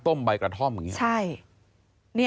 ต้มใบกระท่อมแบบนี้